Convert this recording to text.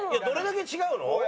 どれだけ違うの？